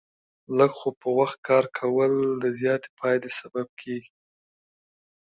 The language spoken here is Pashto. لږ خو په وخت کار کول، د زیاتې پایلې سبب کېږي.